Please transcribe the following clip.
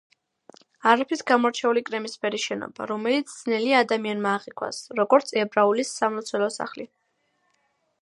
არაფრით გამორჩეული კრემისფერი შენობა, რომელიც ძნელია ადამიანმა აღიქვას, როგორც ებრაული სამლოცველო სახლი.